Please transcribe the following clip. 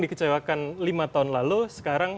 dikecewakan lima tahun lalu sekarang